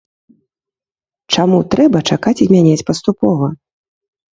Чаму трэба чакаць і мяняць паступова?